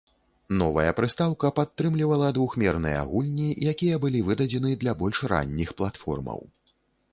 Новая прыстаўка падтрымлівала двухмерныя гульні якія былі выдадзены для больш ранніх платформаў.